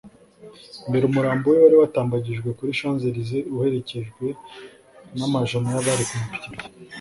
Mbere umurambo we wari watambagirije kuri Champs Elysees uherekejwe n’amajana y’abari ku mapikipiki